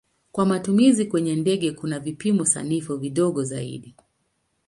Kwa matumizi kwenye ndege kuna vipimo sanifu vidogo zaidi.